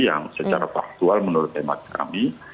yang secara faktual menurut hemat kami